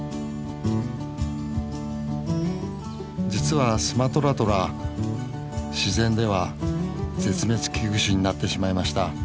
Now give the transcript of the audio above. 実はスマトラトラ自然では絶滅危惧種になってしまいました。